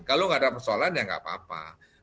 kalau nggak ada persoalan ya nggak apa apa